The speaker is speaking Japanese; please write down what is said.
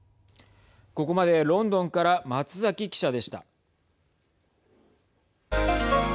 ここまでロンドンから松崎記者でした。